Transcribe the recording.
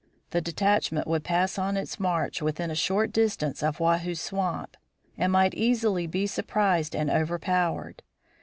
The detachment would pass on its march within a short distance of Wahoo Swamp and might easily be surprised and overpowered.